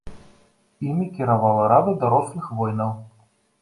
Імі кіравала рада дарослых воінаў.